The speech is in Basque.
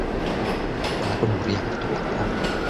Halako neurriak hartu behar dira.